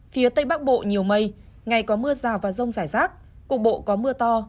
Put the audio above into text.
phía tây bắc bộ nhiều mây ngày có mưa rào và rông rải rác cục bộ có mưa to